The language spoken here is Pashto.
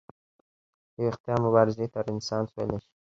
د ویښتیا مبارزې ته رنسانس ویلی شي.